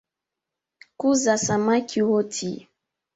Kuza samaki woti